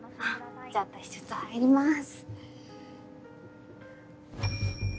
じゃあ私ちょっと入ります。